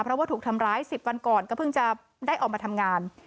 เพราะว่าถูกทำร้าย๑๐วันก่อนก็เพิ่งจะได้ออกมาทำงาน